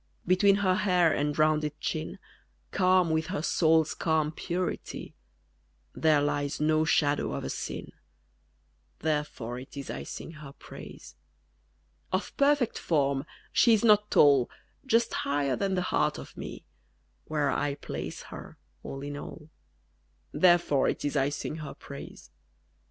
_ Between her hair and rounded chin, Calm with her soul's calm purity, There lies no shadow of a sin: Therefore it is I sing her praise. Of perfect form, she is not tall, Just higher than the heart of me, Where'er I place her, all in all: _Therefore it is I sing her praise.